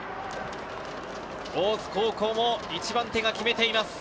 大津高校も一番手が決めています。